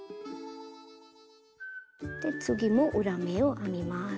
で次も裏目を編みます。